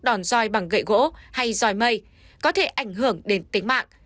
đòn dòi bằng gậy gỗ hay dòi mây có thể ảnh hưởng đến tính mạng